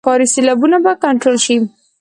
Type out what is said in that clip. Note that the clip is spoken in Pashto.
ښاري سیلابونه به کنټرول شي.